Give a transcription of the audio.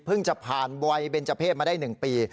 เพิ่งจะผ่านวัยเบนเจ้าเพศมาได้๑ปี